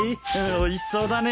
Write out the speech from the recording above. おいしそうだね。